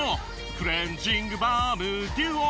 「クレンジングバームデュオ」